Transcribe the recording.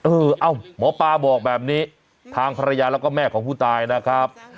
เอ้าหมอปลาบอกแบบนี้ทางภรรยาแล้วก็แม่ของผู้ตายนะครับ